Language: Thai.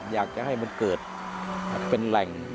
อยากจะให้มันเกิดเป็นแหล่ง